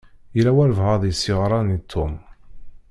Yella walebɛaḍ i s-yeɣṛan i Tom.